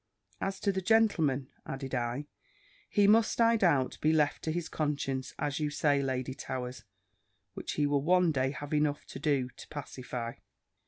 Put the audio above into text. As to the gentleman," added I, "he must, I doubt, be left to his conscience, as you say, Lady Towers, which he will one day have enough to do to pacify."